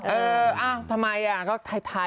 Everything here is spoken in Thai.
เออทำไมก็ไทย